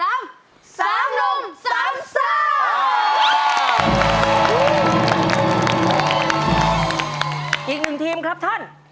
อีกหนึ่งทีมครับท่าน